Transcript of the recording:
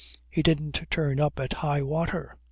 He didn't turn up at high water.